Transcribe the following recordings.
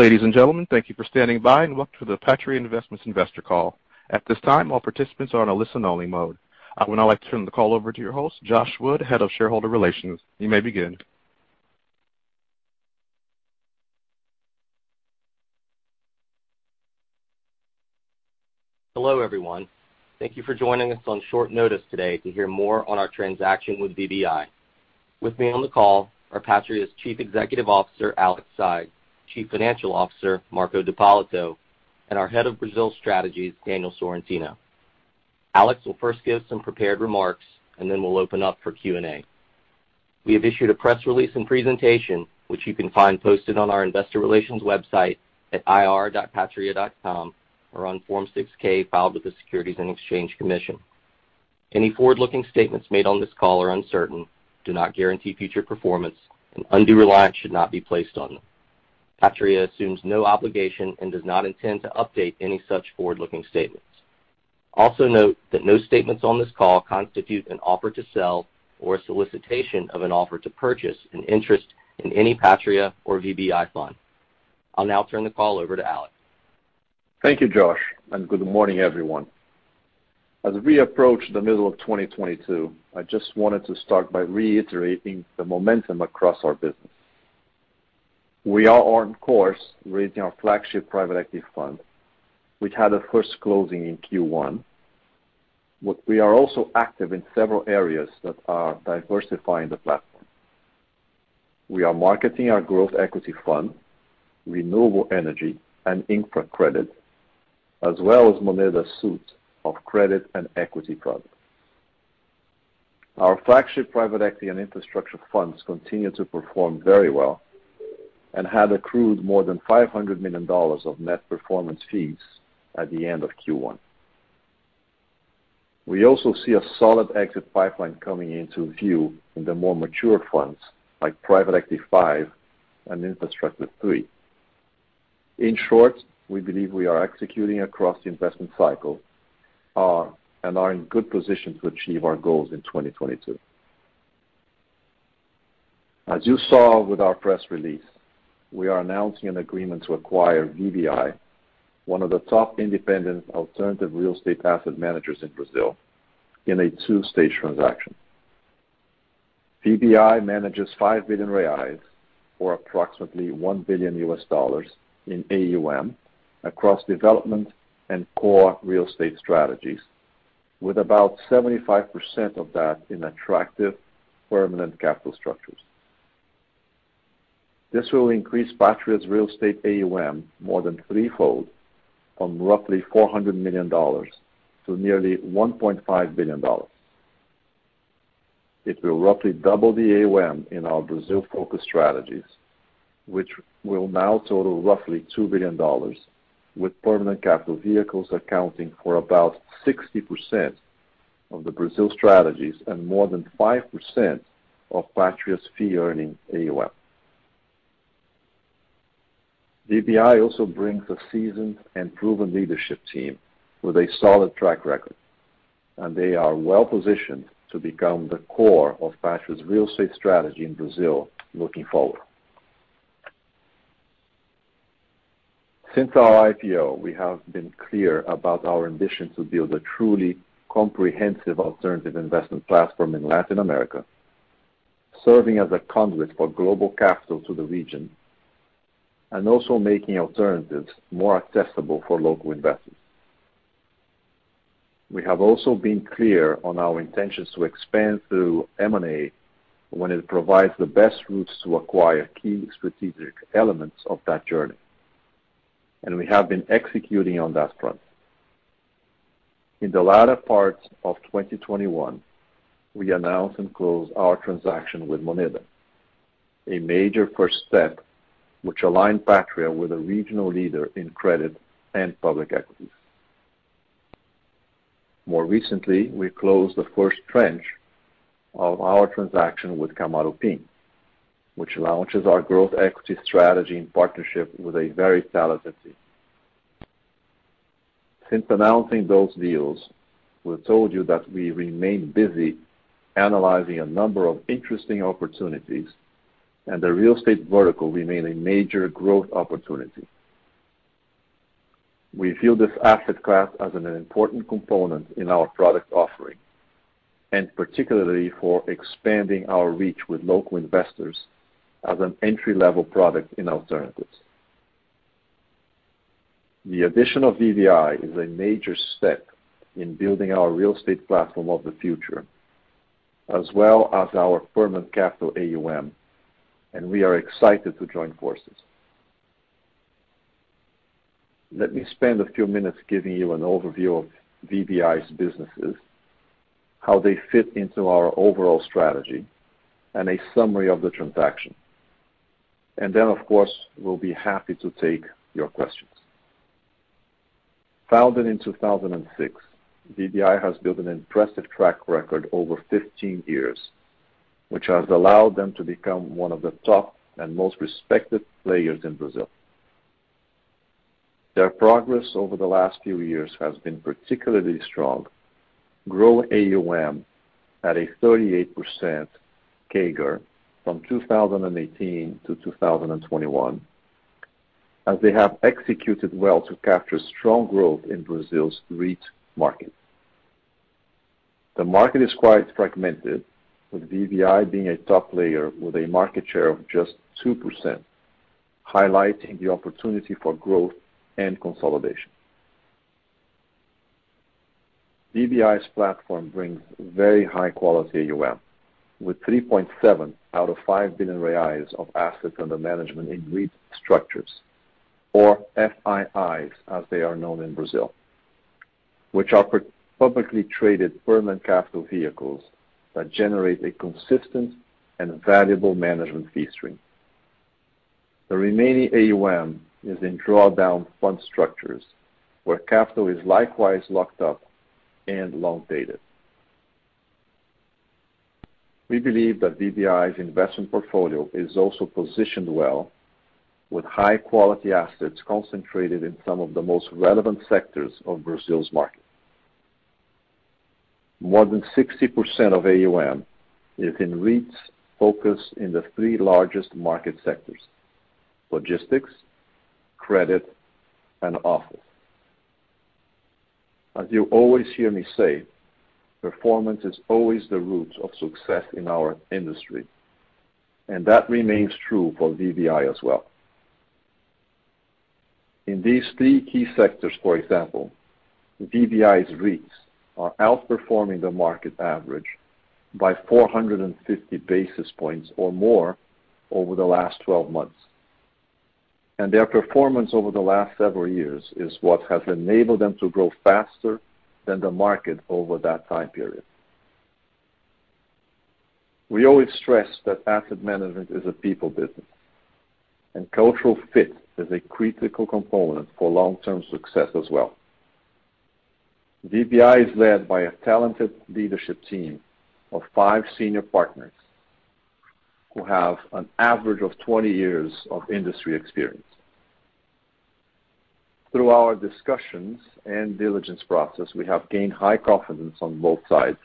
Ladies and gentlemen, thank you for standing by, and welcome to the Patria Investments Investor Call. At this time, all participants are on a listen only mode. I would now like to turn the call over to your host, Josh Wood, Head of Shareholder Relations. You may begin. Hello, everyone. Thank you for joining us on short notice today to hear more on our transaction with VBI. With me on the call are Patria's Chief Executive Officer, Alex Saigh, Chief Financial Officer, Marco D'Ippolito, and our Head of Brazil Strategies, Daniel Sorrentino. Alex will first give some prepared remarks, and then we'll open up for Q&A. We have issued a press release and presentation, which you can find posted on our investor relations website at ir.patria.com or on Form 6-K filed with the Securities and Exchange Commission. Any forward-looking statements made on this call are uncertain, do not guarantee future performance, and undue reliance should not be placed on them. Patria assumes no obligation and does not intend to update any such forward-looking statements. Also note that no statements on this call constitute an offer to sell or a solicitation of an offer to purchase an interest in any Patria or VBI fund. I'll now turn the call over to Alex. Thank you, Josh, and good morning, everyone. As we approach the middle of 2022, I just wanted to start by reiterating the momentum across our business. We are on course raising our flagship Private Equity fund, which had a first closing in Q1. We are also active in several areas that are diversifying the platform. We are marketing our growth equity fund, renewable energy and infra credit, as well as Moneda's suite of credit and equity products. Our flagship private equity and infrastructure funds continue to perform very well and have accrued more than $500 million of net performance fees at the end of Q1. We also see a solid exit pipeline coming into view in the more mature funds like Private Equity Fund V and Infrastructure Fund III. In short, we believe we are executing across the investment cycle, and are in good position to achieve our goals in 2022. As you saw with our press release, we are announcing an agreement to acquire VBI, one of the top independent alternative real estate asset managers in Brazil, in a two-stage transaction. VBI manages 5 billion reais or approximately $1 billion in AUM across development and core real estate strategies, with about 75% of that in attractive permanent capital structures. This will increase Patria's real estate AUM more than threefold from roughly $400 million to nearly $1.5 billion. It will roughly double the AUM in our Brazil-focused strategies, which will now total roughly $2 billion, with permanent capital vehicles accounting for about 60% of the Brazil strategies and more than 5% of Patria's fee-earning AUM. VBI also brings a seasoned and proven leadership team with a solid track record, and they are well-positioned to become the core of Patria's real estate strategy in Brazil looking forward. Since our IPO, we have been clear about our ambition to build a truly comprehensive alternative investment platform in Latin America, serving as a conduit for global capital to the region and also making alternatives more accessible for local investors. We have also been clear on our intentions to expand through M&A when it provides the best routes to acquire key strategic elements of that journey, and we have been executing on that front. In the latter part of 2021, we announced and closed our transaction with Moneda, a major first step which aligned Patria with a regional leader in credit and public equities. More recently, we closed the first tranche of our transaction with Kamaroopin, which launches our growth equity strategy in partnership with a very talented team. Since announcing those deals, we told you that we remain busy analyzing a number of interesting opportunities, and the real estate vertical remain a major growth opportunity. We view this asset class as an important component in our product offering, and particularly for expanding our reach with local investors as an entry-level product in alternatives. The addition of VBI is a major step in building our real estate platform of the future, as well as our permanent capital AUM, and we are excited to join forces. Let me spend a few minutes giving you an overview of VBI's businesses, how they fit into our overall strategy, and a summary of the transaction. Of course, we'll be happy to take your questions. Founded in 2006, VBI has built an impressive track record over 15 years, which has allowed them to become one of the top and most respected players in Brazil. Their progress over the last few years has been particularly strong, growing AUM at a 38% CAGR from 2018 to 2021, as they have executed well to capture strong growth in Brazil's REIT market. The market is quite fragmented, with VBI being a top player with a market share of just 2%, highlighting the opportunity for growth and consolidation. VBI's platform brings very high quality AUM, with 3.7 billion out of 5 billion reais of assets under management in REIT structures, or FIIs, as they are known in Brazil, which are publicly traded permanent capital vehicles that generate a consistent and valuable management fee stream. The remaining AUM is in drawdown fund structures where capital is likewise locked up and loan dated. We believe that VBI's investment portfolio is also positioned well with high quality assets concentrated in some of the most relevant sectors of Brazil's market. More than 60% of AUM is in REITs focused in the three largest market sectors, logistics, credit, and office. As you always hear me say, performance is always the root of success in our industry, and that remains true for VBI as well. In these three key sectors, for example, VBI's REITs are outperforming the market average by 450 basis points or more over the last 12 months. Their performance over the last several years is what has enabled them to grow faster than the market over that time period. We always stress that asset management is a people business, and cultural fit is a critical component for long-term success as well. VBI is led by a talented leadership team of five senior partners who have an average of 20 years of industry experience. Through our discussions and diligence process, we have gained high confidence on both sides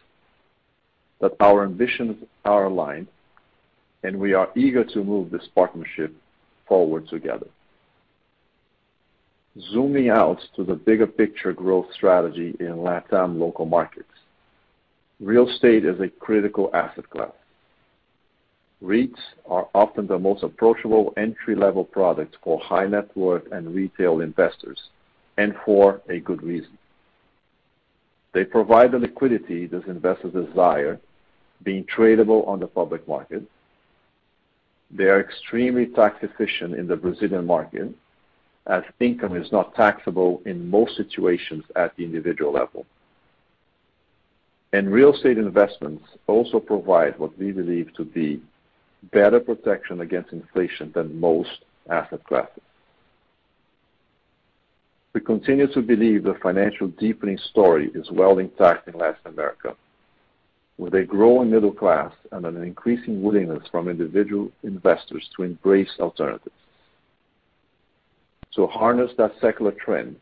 that our ambitions are aligned, and we are eager to move this partnership forward together. Zooming out to the bigger picture growth strategy in LatAm local markets, real estate is a critical asset class. REITs are often the most approachable entry-level products for high net worth and retail investors, and for a good reason. They provide the liquidity those investors desire, being tradable on the public market. They are extremely tax efficient in the Brazilian market, as income is not taxable in most situations at the individual level. Real estate investments also provide what we believe to be better protection against inflation than most asset classes. We continue to believe the financial deepening story is well intact in Latin America, with a growing middle class and an increasing willingness from individual investors to embrace alternatives. To harness that secular trend,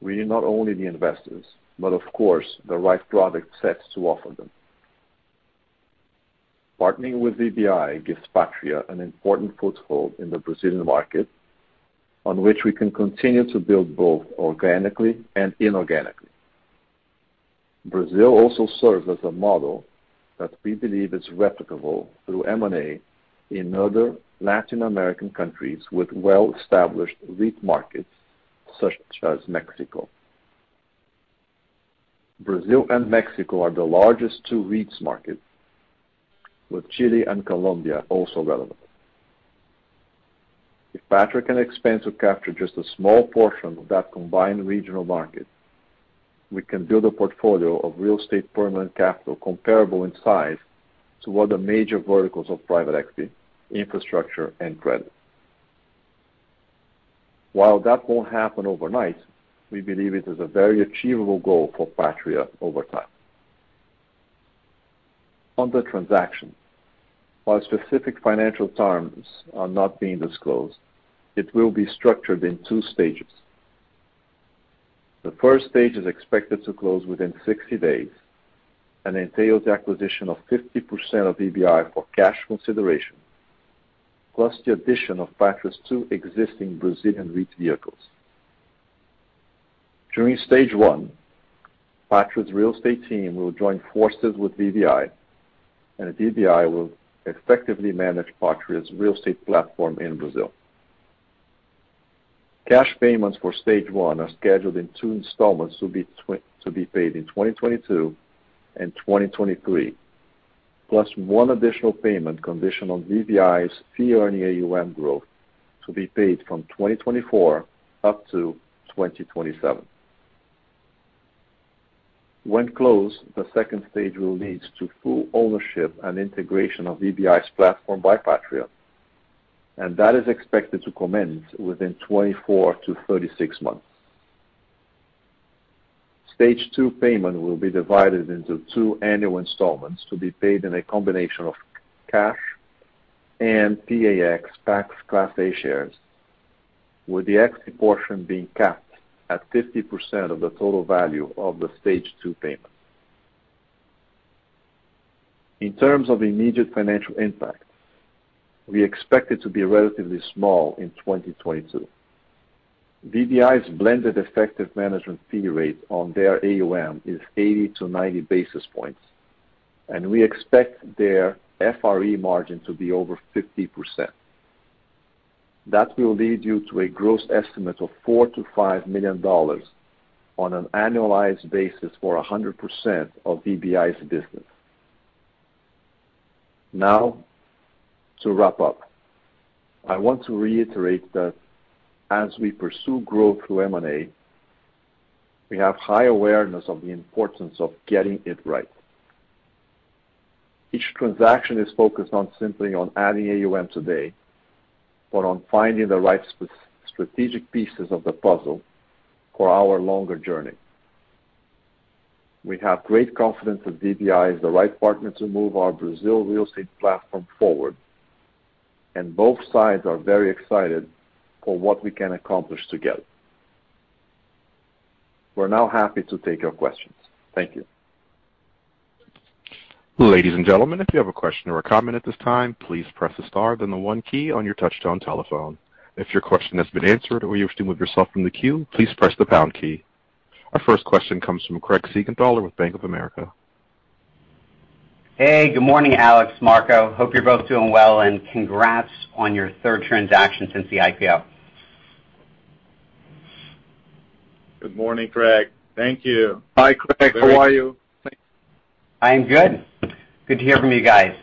we not only need investors, but of course, the right product sets to offer them. Partnering with VBI gives Patria an important foothold in the Brazilian market on which we can continue to build both organically and inorganically. Brazil also serves as a model that we believe is replicable through M&A in other Latin American countries with well-established REIT markets, such as Mexico. Brazil and Mexico are the largest two REIT markets, with Chile and Colombia also relevant. If Patria can expand to capture just a small portion of that combined regional market, we can build a portfolio of real estate permanent capital comparable in size to other major verticals of private equity, infrastructure, and credit. While that won't happen overnight, we believe it is a very achievable goal for Patria over time. On the transaction, while specific financial terms are not being disclosed, it will be structured in two stages. The first stage is expected to close within 60 days and entails acquisition of 50% of VBI for cash consideration, plus the addition of Patria's two existing Brazilian REIT vehicles. During stage one, Patria's real estate team will join forces with VBI, and VBI will effectively manage Patria's real estate platform in Brazil. Cash payments for stage one are scheduled in two installments to be paid in 2022 and 2023, plus one additional payment conditional on VBI's fee earning AUM growth to be paid from 2024 up to 2027. When closed, the second stage will lead to full ownership and integration of VBI's platform by Patria, and that is expected to commence within 24 to 36 months. Stage two payment will be divided into two annual installments to be paid in a combination of cash and PAX Class A shares, with the equity portion being capped at 50% of the total value of the stage two payment. In terms of immediate financial impact, we expect it to be relatively small in 2022. VBI's blended effective management fee rate on their AUM is 80-90 basis points, and we expect their FRE margin to be over 50%. That will lead you to a gross estimate of $4 million-$5 million on an annualized basis for 100% of VBI's business. Now, to wrap up, I want to reiterate that as we pursue growth through M&A, we have high awareness of the importance of getting it right. Each transaction is focused not simply on adding AUM today, but on finding the right strategic pieces of the puzzle for our longer journey. We have great confidence that VBI is the right partner to move our Brazil real estate platform forward, and both sides are very excited for what we can accomplish together. We're now happy to take your questions. Thank you. Ladies and gentlemen, if you have a question or a comment at this time, please press the star, then the one key on your touch-tone telephone. If your question has been answered or you wish to remove yourself from the queue, please press the pound key. Our first question comes from Craig Siegenthaler with Bank of America. Hey, good morning, Alex, Marco. Hope you're both doing well, and congrats on your third transaction since the IPO. Good morning, Craig. Thank you. Hi, Craig. How are you? I am good. Good to hear from you guys.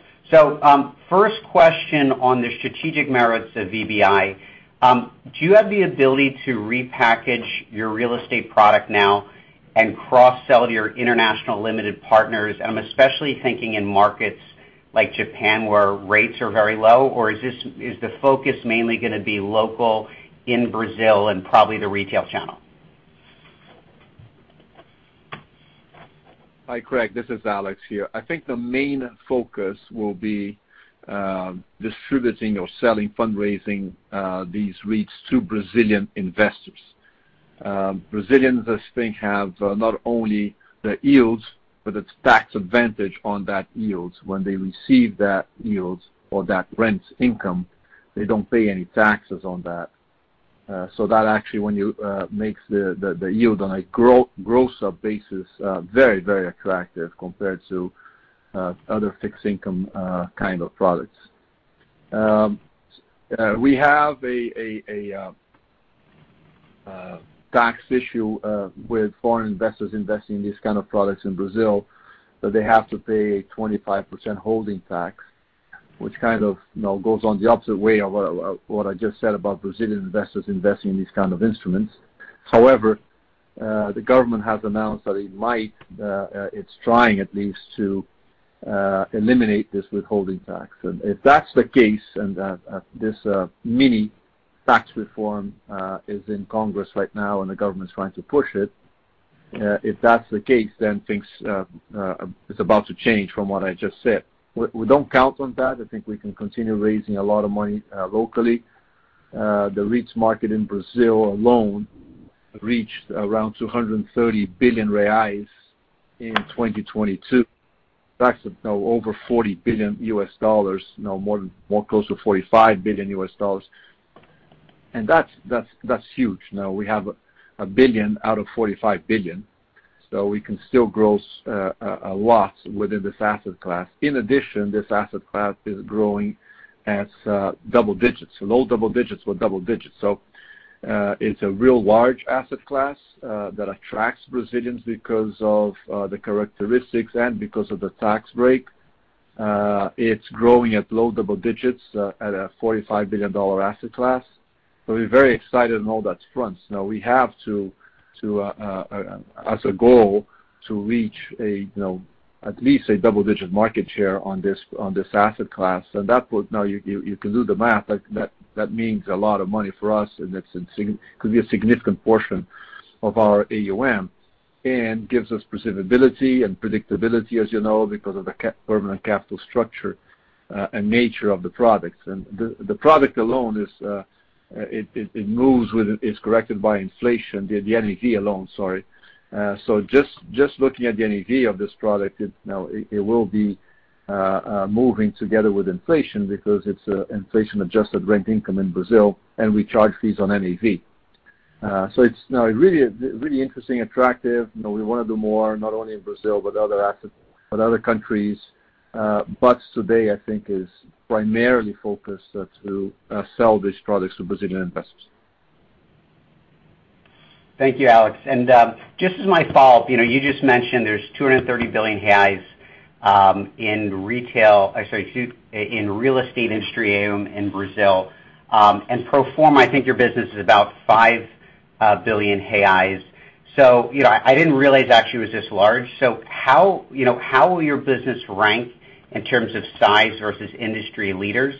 First question on the strategic merits of VBI. Do you have the ability to repackage your real estate product now and cross-sell to your international limited partners? I'm especially thinking in markets like Japan, where rates are very low. Is the focus mainly gonna be local in Brazil and probably the retail channel? Hi, Craig. This is Alex here. I think the main focus will be distributing or selling, fundraising these REITs to Brazilian investors. Brazilians, I think, have not only the yields, but it's tax advantage on that yields. When they receive that yields or that rent income, they don't pay any taxes on that. That actually when you makes the yield on a gross up basis very, very attractive compared to other fixed income kind of products. We have a tax issue with foreign investors investing in these kind of products in Brazil, that they have to pay a 25% withholding tax, which kind of, you know, goes on the opposite way of what I just said about Brazilian investors investing in these kind of instruments. However, the government has announced that it might, it's trying at least to eliminate this withholding tax. If that's the case, and this mini tax reform is in Congress right now and the government's trying to push it, if that's the case, then things is about to change from what I just said. We don't count on that. I think we can continue raising a lot of money locally. The REITs market in Brazil alone reached around 230 billion reais in 2022. That's, you know, over $40 billion, you know, more than, more close to $45 billion. That's huge. Now, we have $1 billion out of $45 billion, so we can still gross a lot within this asset class. In addition, this asset class is growing at low double digits. It's a real large asset class that attracts Brazilians because of the characteristics and because of the tax break. It's growing at low double digits at a $45 billion asset class. We're very excited on all those fronts. Now we have to as a goal to reach, you know, at least a double-digit market share on this asset class. That would. You can do the math. That means a lot of money for us, and it could be a significant portion of our AUM and gives us predictability, as you know, because of the permanent capital structure and nature of the products. The product alone is corrected by inflation, the NAV alone, sorry. Just looking at the NAV of this product, it's, you know, it will be moving together with inflation because it's an inflation-adjusted rent income in Brazil, and we charge fees on NAV. It's, you know, a really interesting, attractive. You know, we wanna do more, not only in Brazil, but other assets, but other countries. Today I think is primarily focused to sell these products to Brazilian investors. Thank you, Alex. Just as my follow-up, you know, you just mentioned there's 230 billion reais in real estate industry AUM in Brazil. Pro forma, I think your business is about 5 billion reais. You know, I didn't realize actually it was this large. How, you know, how will your business rank in terms of size versus industry leaders?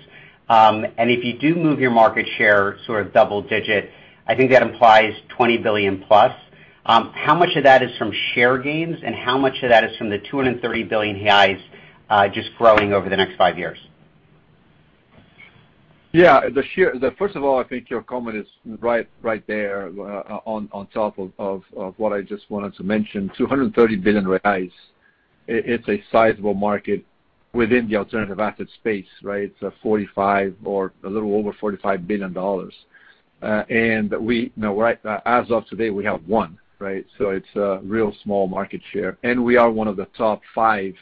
If you do move your market share sort of double digit, I think that implies 20 billion+. How much of that is from share gains, and how much of that is from the 230 billion reais just growing over the next five years? Yeah. The first of all, I think your comment is right there on top of what I just wanted to mention, 230 billion reais. It's a sizable market within the alternative asset space, right? It's a $45 billion or a little over $45 billion. We, you know, right, as of today, we have one, right? It's a really small market share, and we are one of the top five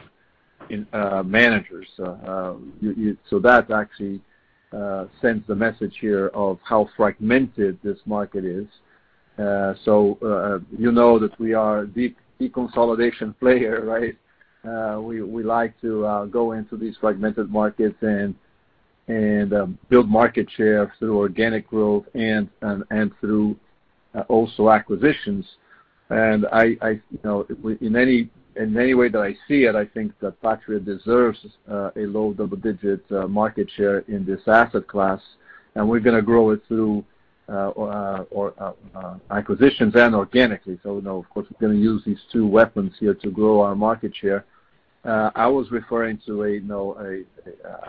in managers. That actually sends the message here of how fragmented this market is. You know that we are consolidation player, right? We like to go into these fragmented markets and build market share through organic growth and through also acquisitions. I, you know, in any way that I see it, I think that Patria deserves a low double-digit market share in this asset class, and we're gonna grow it through acquisitions and organically. You know, of course, we're gonna use these two weapons here to grow our market share. I was referring to, you know,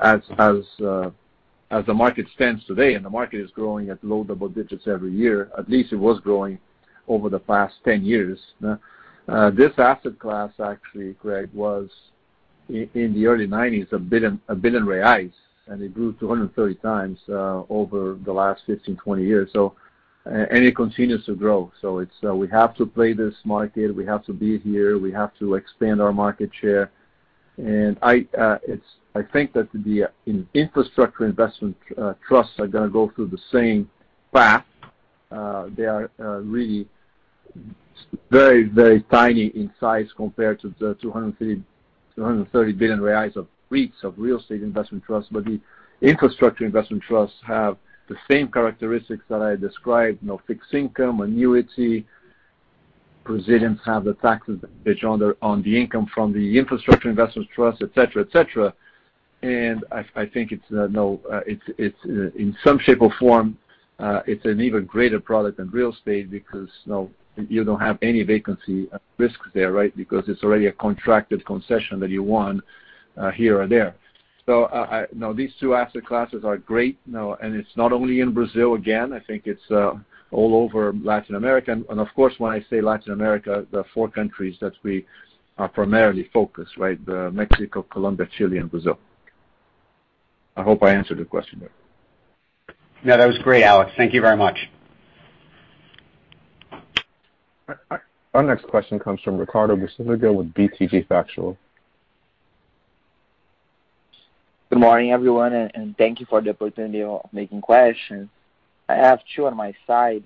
as the market stands today, and the market is growing at low double digits every year. At least it was growing over the past 10 years. This asset class actually, Craig, was in the early nineties, 1 billion, and it grew 230 times over the last 15, 20 years. And it continues to grow. It's, we have to play this market. We have to be here. We have to expand our market share. I think that the infrastructure investment trusts are gonna go through the same path. They are really very tiny in size compared to the 230 billion reais of REITs of real estate investment trusts. The infrastructure investment trusts have the same characteristics that I described, you know, fixed income, annuity. Brazilians have the taxes that they generate on the income from the infrastructure investment trusts, et cetera. I think it's in some shape or form an even greater product than real estate because, you know, you don't have any vacancy risks there, right? Because it's already a contracted concession that you won here or there. I, you know, these two asset classes are great, you know, and it's not only in Brazil, again, I think it's all over Latin America. Of course, when I say Latin America, the four countries that we are primarily focused, right? Mexico, Colombia, Chile and Brazil. I hope I answered the question there. Yeah. That was great, Alex. Thank you very much. Our next question comes from Ricardo Buchpiguel with BTG Pactual. Good morning, everyone, and thank you for the opportunity of making questions. I have two on my side.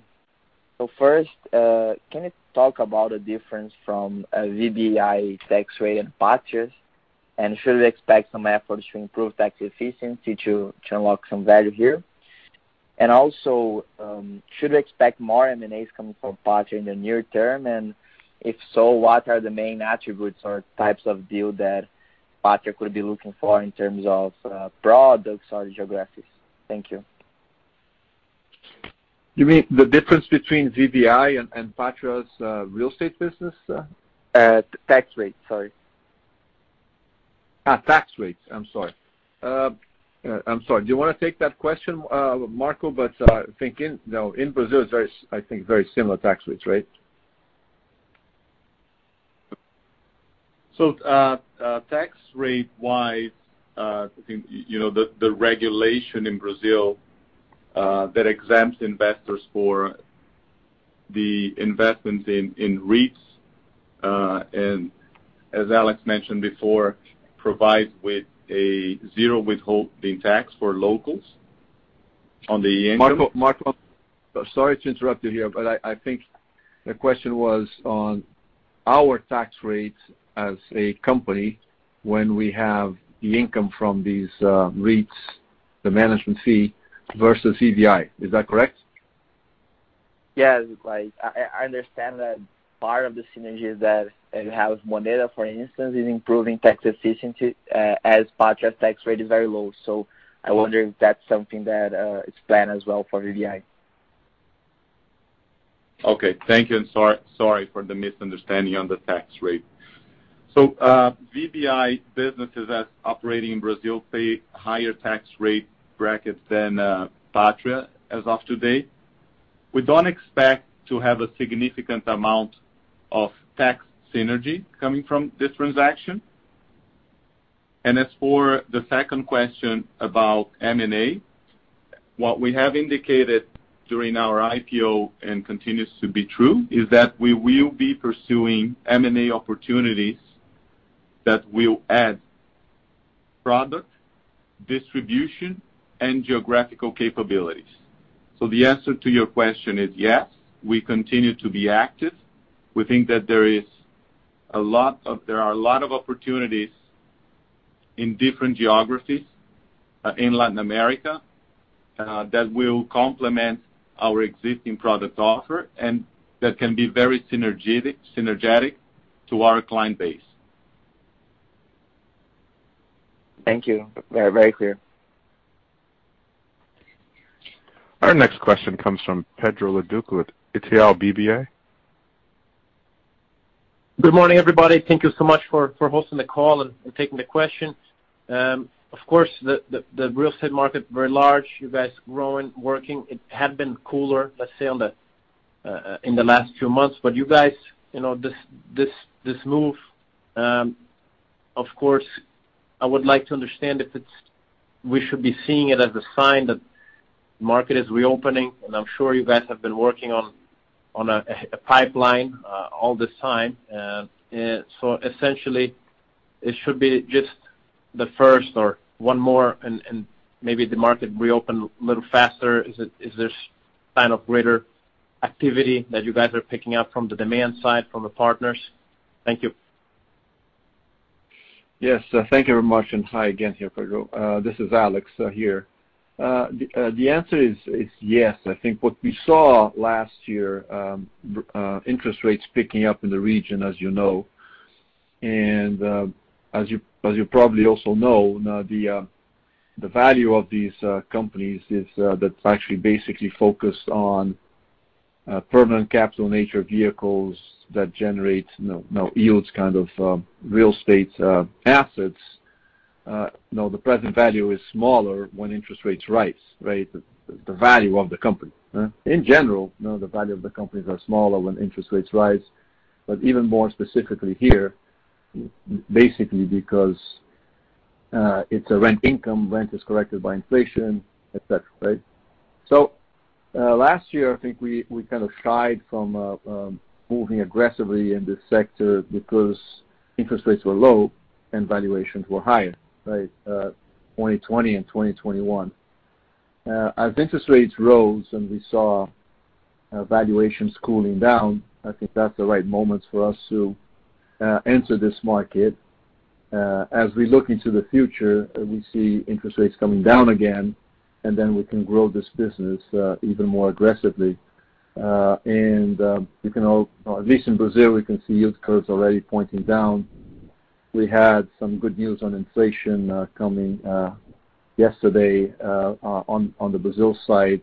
First, can you talk about the difference from a VBI tax rate and Patria's? And should we expect some efforts to improve tax efficiency to unlock some value here? And also, should we expect more M&As coming from Patria in the near term? And if so, what are the main attributes or types of deal that Patria could be looking for in terms of products or geographies? Thank you. You mean the difference between VBI and Patria's real estate business? Tax rate. Sorry. Tax rates. I'm sorry. Do you wanna take that question, Marco? I think in, you know, in Brazil, it's very, I think, very similar tax rates, right? Tax rate-wise, I think, you know, the regulation in Brazil that exempts investors from the investments in REITs, and as Alex mentioned before, provides with a zero withholding tax for locals on the income. Marco, sorry to interrupt you here, but I think the question was on our tax rates as a company when we have the income from these REITs, the management fee versus VBI. Is that correct? Yes. Like, I understand that part of the synergy is that it has Moneda, for instance, is improving tax efficiency, as Patria's tax rate is very low. I wonder if that's something that is planned as well for VBI. Okay. Thank you, and sorry for the misunderstanding on the tax rate. VBI businesses that's operating in Brazil pay higher tax rate brackets than Patria as of today. We don't expect to have a significant amount of tax synergy coming from this transaction. As for the second question about M&A, what we have indicated during our IPO and continues to be true, is that we will be pursuing M&A opportunities that will add product, distribution, and geographical capabilities. The answer to your question is, yes, we continue to be active. We think that there are a lot of opportunities in different geographies in Latin America. That will complement our existing product offer, and that can be very synergetic to our client base. Thank you. Very, very clear. Our next question comes from Pedro Leduc with Itaú BBA. Good morning, everybody. Thank you so much for hosting the call and taking the questions. Of course, the real estate market very large. You guys growing, working. It had been cooler, let's say, in the last few months. You guys, you know, this move, of course I would like to understand if we should be seeing it as a sign that market is reopening, and I'm sure you guys have been working on a pipeline all this time. Essentially it should be just the first or one more and maybe the market reopen a little faster. Is this kind of greater activity that you guys are picking up from the demand side from the partners? Thank you. Yes. Thank you very much. Hi again here, Pedro. This is Alex here. The answer is yes. I think what we saw last year, interest rates picking up in the region, as you know, and as you probably also know now, the value of these companies is that's actually basically focused on permanent capital nature vehicles that generate, you know, yields kind of real estate assets. You know, the present value is smaller when interest rates rise, right? The value of the company. In general, you know, the value of the companies are smaller when interest rates rise. But even more specifically here, basically because it's a rent income, rent is corrected by inflation, et cetera, right? Last year I think we kind of shied from moving aggressively in this sector because interest rates were low and valuations were higher, right? 2020 and 2021. As interest rates rose and we saw valuations cooling down, I think that's the right moment for us to enter this market. As we look into the future, we see interest rates coming down again, and then we can grow this business even more aggressively. At least in Brazil, we can see yield curves already pointing down. We had some good news on inflation coming yesterday on the Brazil side.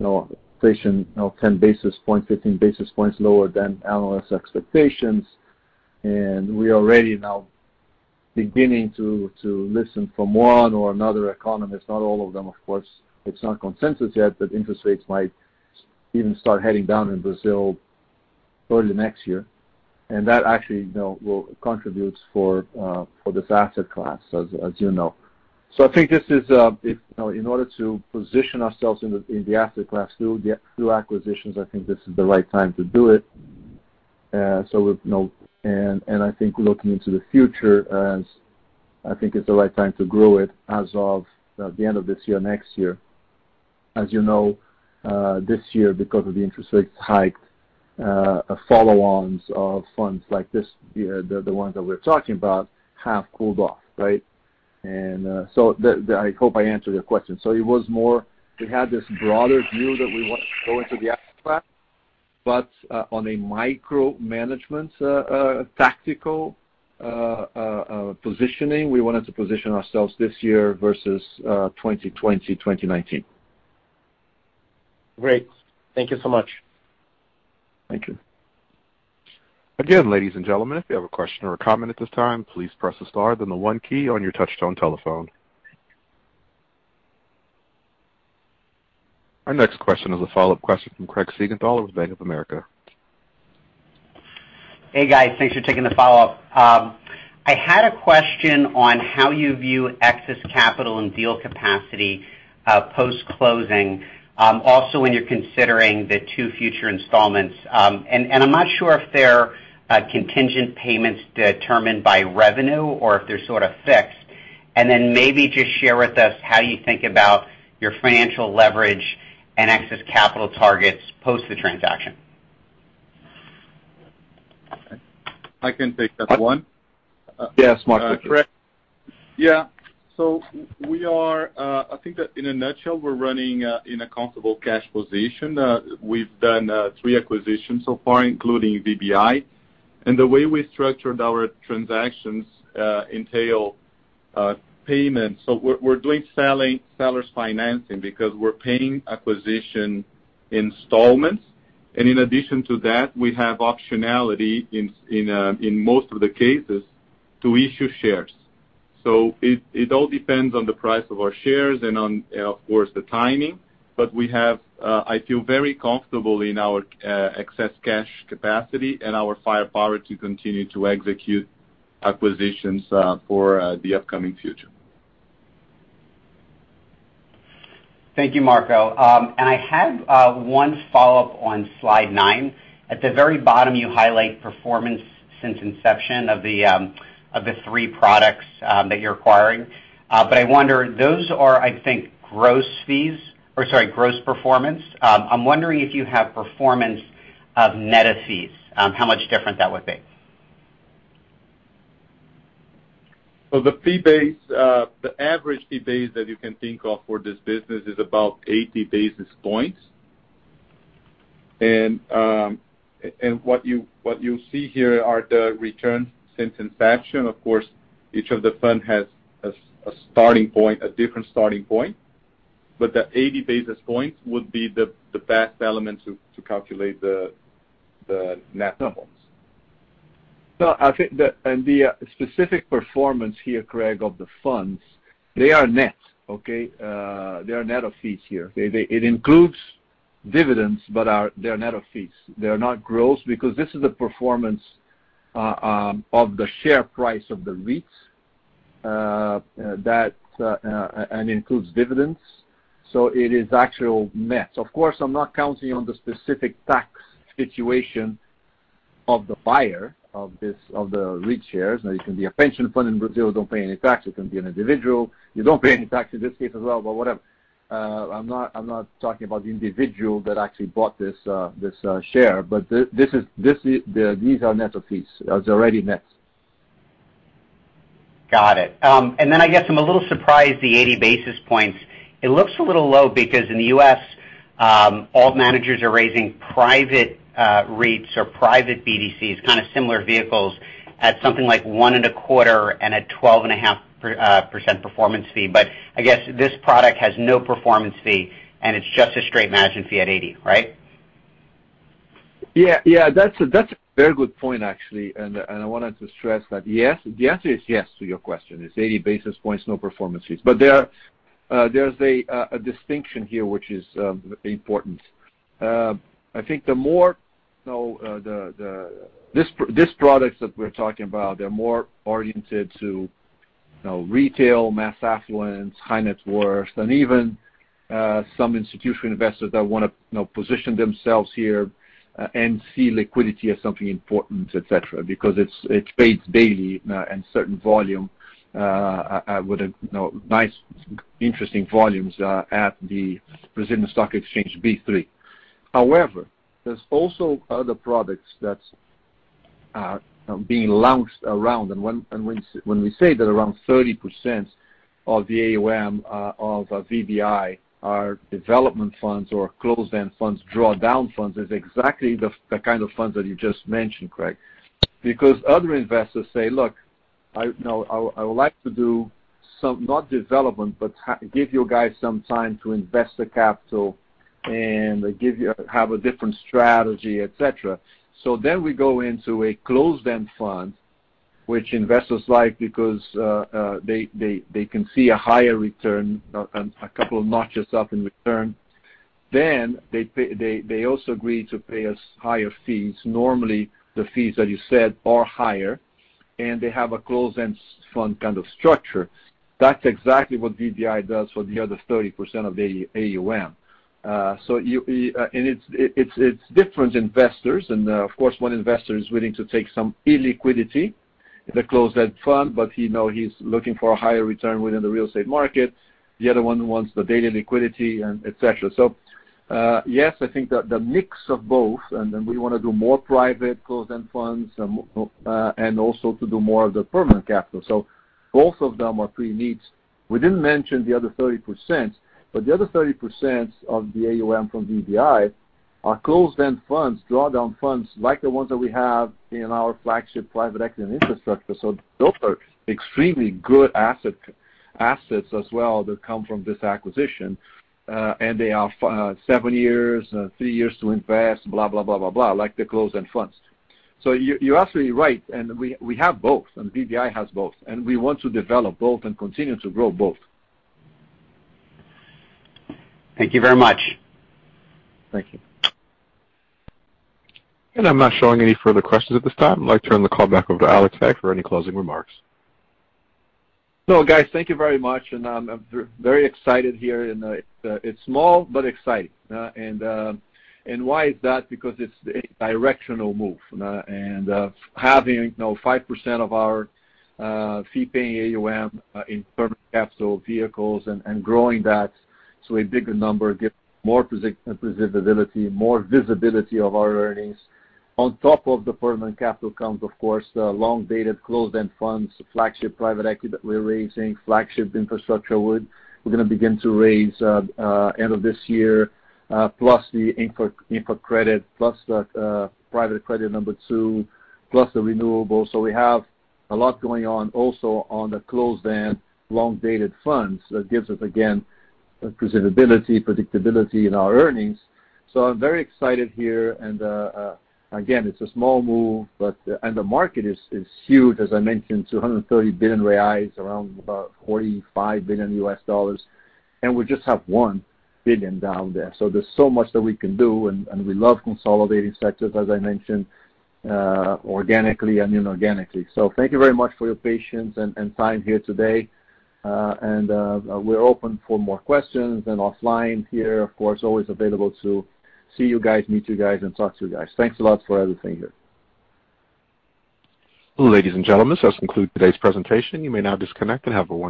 You know, inflation, you know, 10 basis points, 15 basis points lower than analyst expectations. We already now beginning to listen from one or another economist, not all of them, of course. It's not consensus yet, but interest rates might even start heading down in Brazil early next year. That actually, you know, will contributes for this asset class, as you know. I think this is, if, you know, in order to position ourselves in the asset class through acquisitions, I think this is the right time to do it. We've, you know, and I think looking into the future as I think it's the right time to grow it as of the end of this year, next year. As you know, this year, because of the interest rate hikes, follow-ons of funds like this, the ones that we're talking about have cooled off, right? I hope I answered your question. It was more we had this broader view that we want to go into the asset class, but on a micromanagement, tactical positioning, we wanted to position ourselves this year versus 2020, 2019. Great. Thank you so much. Thank you. Again, ladies and gentlemen, if you have a question or a comment at this time, please press the star then the one key on your touchtone telephone. Our next question is a follow-up question from Craig Siegenthaler with Bank of America. Hey, guys. Thanks for taking the follow-up. I had a question on how you view excess capital and deal capacity post-closing. Also when you're considering the two future installments. I'm not sure if they're contingent payments determined by revenue or if they're sort of fixed. Then maybe just share with us how you think about your financial leverage and excess capital targets post the transaction. I can take that one. Yes, Marco. Craig. Yeah. We are, I think that in a nutshell, we're running in a comfortable cash position. We've done three acquisitions so far, including VBI. The way we structured our transactions entails payments. We're doing sellers financing because we're paying acquisition installments. In addition to that, we have optionality in most of the cases to issue shares. It all depends on the price of our shares and on, of course, the timing. We have, I feel very comfortable in our excess cash capacity and our firepower to continue to execute acquisitions for the upcoming future. Thank you, Marco. I had one follow-up on slide nine. At the very bottom, you highlight performance since inception of the three products that you're acquiring. I wonder, those are, I think, gross fees or sorry, gross performance. I'm wondering if you have performance of net assets, how much different that would be? The fee base, the average fee base that you can think of for this business is about 80 basis points. What you see here are the returns since inception. Of course, each of the fund has a starting point, a different starting point. The 80 basis points would be the best element to calculate the net numbers. No, I think the specific performance here, Craig, of the funds, they are net, okay? They are net of fees here. They it includes dividends, but they are net of fees. They are not gross because this is the performance of the share price of the REITs that and includes dividends. It is actual net. Of course, I'm not counting on the specific tax situation of the buyer of this, of the REIT shares. Now, it can be a pension fund in Brazil, don't pay any tax. It can be an individual. You don't pay any tax in this case as well, but whatever. I'm not talking about the individual that actually bought this share. But this is, these are net of fees. It's already net. Got it. I guess I'm a little surprised the 80 basis points. It looks a little low because in the U.S., all managers are raising private REITs or private BDCs, kind of similar vehicles, at something like 1.25 and 12.5% performance fee. I guess this product has no performance fee, and it's just a straight management fee at 80, right? Yeah, yeah. That's a very good point, actually. I wanted to stress that, yes. The answer is yes to your question. It's 80 basis points, no performance fees. There's a distinction here which is important. I think this product that we're talking about, they're more oriented to retail, mass affluence, high net worth, and even some institutional investors that wanna position themselves here and see liquidity as something important, et cetera, because it trades daily and certain volume with nice interesting volumes at the Brazilian Stock Exchange, B3. However, there's also other products that's being launched around and when, and when when we say that around 30% of the AUM of VBI are development funds or closed-end funds, draw down funds, is exactly the the kind of funds that you just mentioned, Craig. Because other investors say, "Look, you know, I would like to do some, not development, but give you guys some time to invest the capital and have a different strategy, et cetera." We go into a closed-end fund, which investors like because they can see a higher return, a couple of notches up in return. They also agree to pay us higher fees. Normally, the fees, as you said, are higher, and they have a closed-end fund kind of structure. That's exactly what VBI does for the other 30% of the AUM. It's different investors. Of course, one investor is willing to take some illiquidity in a closed-end fund, but he know he's looking for a higher return within the real estate market. The other one wants the daily liquidity and et cetera. Yes, I think the mix of both, and then we wanna do more private closed-end funds, and also to do more of the permanent capital. Both of them are pretty niche. We didn't mention the other 30%, but the other 30% of the AUM from VBI are closed-end funds, draw down funds like the ones that we have in our flagship private equity and infrastructure. Those are extremely good assets as well that come from this acquisition. They are seven years and three years to invest, blah, blah, blah, like the closed-end funds. You're absolutely right, and we have both, and VBI has both, and we want to develop both and continue to grow both. Thank you very much. Thank you. I'm not showing any further questions at this time. I'd like to turn the call back over to Alex Saigh for any closing remarks. Guys, thank you very much, and I'm very excited here and, it's small but exciting. Why is that? Because it's a directional move. Having, you know, 5% of our fee-paying AUM in permanent capital vehicles and growing that to a bigger number gives more predictability, more visibility of our earnings. On top of the permanent capital comes, of course, the long-dated closed-end funds, flagship private equity that we're raising, flagship infrastructure fund we're gonna begin to raise end of this year, plus the infra credit, plus the private credit number two, plus the renewable. We have a lot going on also on the closed-end long-dated funds. That gives us, again, predictability in our earnings. I'm very excited here, and again, it's a small move, but and the market is huge. As I mentioned, 230 billion reais, around $45 billion. We just have 1 billion down there. There's so much that we can do, and we love consolidating sectors, as I mentioned, organically and inorganically. Thank you very much for your patience and time here today. We're open for more questions and offline here, of course, always available to see you guys, meet you guys, and talk to you guys. Thanks a lot for everything here. Ladies and gentlemen, this does conclude today's presentation. You may now disconnect and have a wonderful day.